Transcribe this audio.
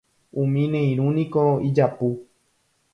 Umi ne irũniko ijapu.